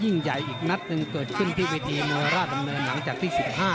อีกนัดหนึ่งเกิดขึ้นที่วิทยาลัยมือราชดำเนินหลังจากที่สิบห้า